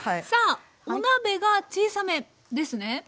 さあお鍋が小さめですね。